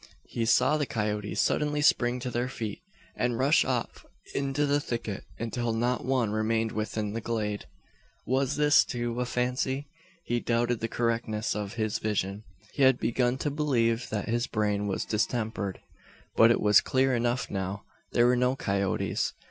He saw the coyotes suddenly spring to their feet, and rush off into the thicket, until not one remained within the glade. Was this, too, a fancy? He doubted the correctness of his vision. He had begun to believe that his brain was distempered. But it was clear enough now. There were no coyotes.